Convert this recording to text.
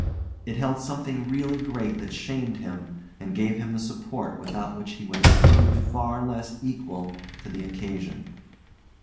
It held something really great that shamed him and gave him the support without which he would have proved far less equal to the occasion.